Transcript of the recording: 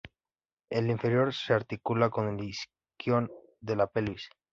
El inferior se articula con el isquion de la pelvis.